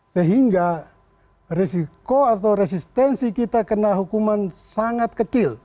sehingga risiko atau resistensi kita kena hukuman sangat kecil